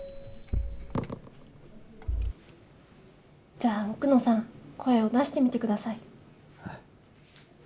じゃあ奥野さん声を出してみて下さい。